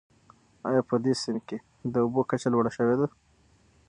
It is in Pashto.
آیا په دې سیند کې د اوبو کچه لوړه شوې ده؟